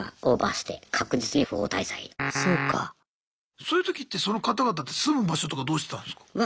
そういうときってその方々って住む場所とかどうしてたんすか？